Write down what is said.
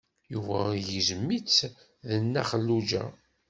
Yuba igzem-itt d Nna Xelluǧa.